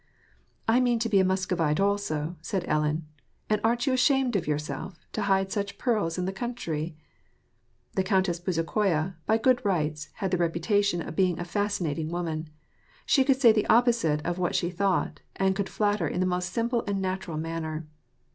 *^ I mean to be a Muscovite also." said Ellen. << And aren't you ashamed of yourself, to hide such pearls in the country ?" The Countess Bezukhaya, by good rights, had the reputation of being a fascinating woman. She could say the opposite of what she thought, and could flatter in the most simple and natu ral manner.